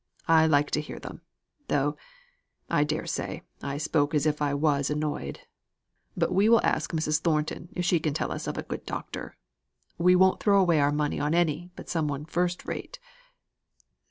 I like to hear them, though I dare say, I spoke as if I was annoyed. But we will ask Mrs. Thornton if she can tell us of a good doctor. We won't throw away our money on any but some one first rate.